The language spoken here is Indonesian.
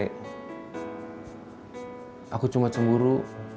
ray aku cuma cemburu